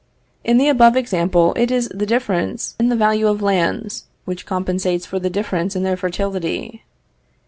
In the above example, it is the difference in the value of lands, which compensates for the difference in their fertility.